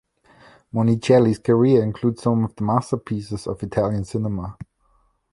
Monicelli's career includes some of the masterpieces of Italian cinema.